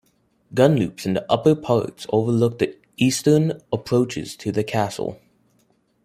Gunloops in the upper parts overlook the eastern approaches to the castle.